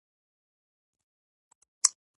د پښتو په لیکلو کي ګرامر ته دقیقه توجه وکړئ!